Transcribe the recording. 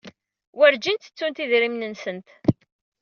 Werǧin ttettunt idrimen-nsent.